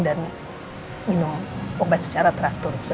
dan minum obat secara teratur